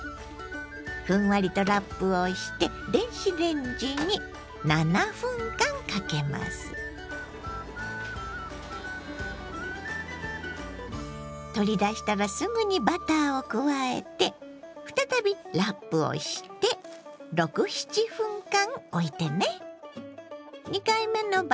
ふんわりとラップをして取り出したらすぐにバターを加えて再びラップをして６７分間おいてね。